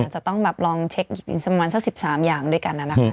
จะต้องลองเช็คอีกสัก๑๓อย่างด้วยกันนะครับ